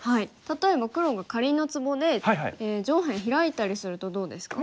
例えば黒がかりんのツボで上辺ヒラいたりするとどうですか？